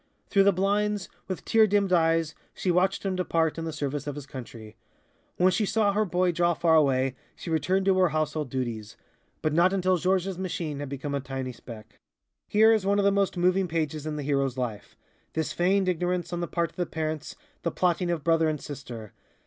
Through the blinds, with tear dimmed eyes, she watched him depart in the service of his country. When she saw her boy draw far away, she returned to her household duties but not until Georges' machine had become a tiny speck. [Illustration: GUYNEMER AND MACHINE AFTER 3,000 METER TUMBLE] Here is one of the most moving pages in the hero's life this feigned ignorance on the part of the parents, the plotting of brother and sister.